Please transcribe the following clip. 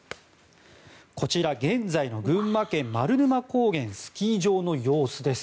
こちらは現在の群馬県丸沼高原スキー場の様子です。